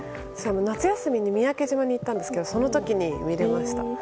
夏休みに三宅島に行ったんですけどその時に見れました。